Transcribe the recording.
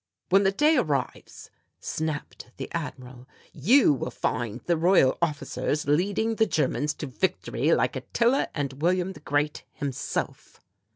"When the day arrives," snapped the Admiral, "you will find the Royal officers leading the Germans to victory like Atilla and William the Great himself."